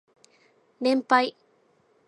連敗